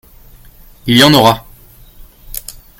Il y en aura.